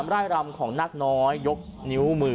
ร่ายรำของนักน้อยยกนิ้วมือ